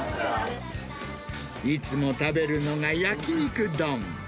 いつも食べるのが焼き肉丼。